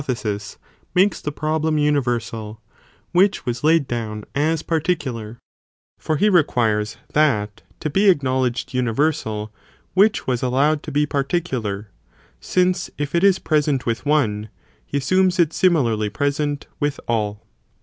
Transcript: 417 thesis, makes the problem universal, which was laid down as particular, for he requires that to be acknowledged universal, which was allowed to be particular, since if it is present with one, he assumes it similarly present with all.